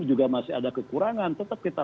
juga masih ada kekurangan tetap kita